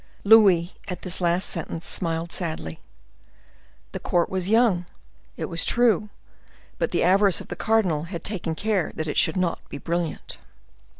Louis, at this last sentence, smiled sadly. The court was young, it was true, but the avarice of the cardinal had taken good care that it should not be brilliant.